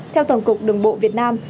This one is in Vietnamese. theo tổng cục đường bộ việt nam